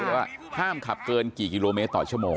ว่าห้ามขับเกินกี่กิโลเมตรต่อชั่วโมง